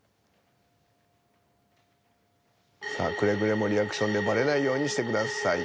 さあくれぐれもリアクションでバレないようにしてください。